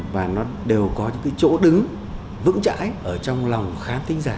và nó đều có những chỗ đứng vững chãi ở trong lòng khám tính giải